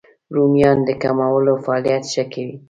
رومیان د کولمو فعالیت ښه کوي